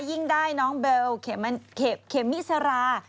ยิ่งได้น้องเบลเคมมิสรา